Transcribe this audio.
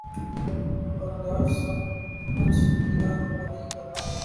برداشت سب کچھ جگر کو ہی کرنا پڑتا۔